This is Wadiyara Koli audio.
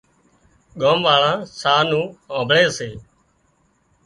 ڳام واۯان ساهَه نُون هانمڀۯي سي